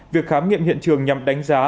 việc khám nghiệm hiện trường nhằm đánh giá